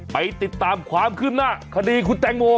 ไปติดตามความขึ้นหน้าคดีครูแต้งโหว์